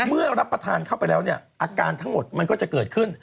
เมื่อรับประทานเข้าไปแล้วเนี่ยอาการทั้งหมดมันก็จะเกิดขึ้น